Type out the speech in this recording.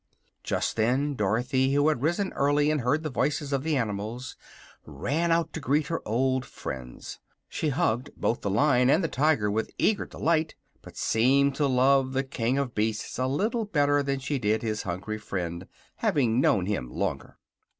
Just then Dorothy, who had risen early and heard the voices of the animals, ran out to greet her old friends. She hugged both the Lion and the Tiger with eager delight, but seemed to love the King of Beasts a little better than she did his hungry friend, having known him longer.